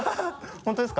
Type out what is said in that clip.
本当ですか？